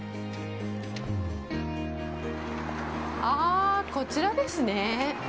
ああ、こちらですね。